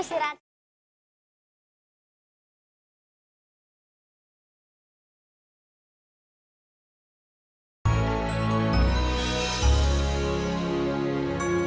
sampai jumpa lagi